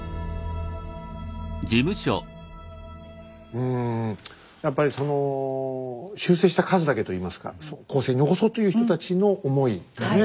うんやっぱりその修正した数だけといいますか後世に残そうという人たちの思いがね